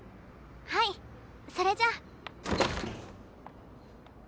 はいそれじゃ。